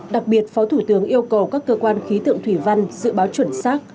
đặc biệt phó thủ tướng yêu cầu các cơ quan khí tượng thủy văn dự báo chuẩn xác